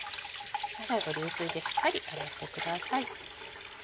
最後にゆすいでしっかり洗ってください。